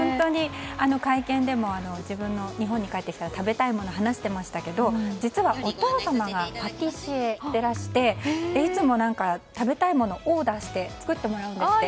会見でも、日本に帰ってきたら食べたいものを話していましたが実はお父様がパティシエでいらしていつも食べたいものをオーダーして作ってもらうんですって。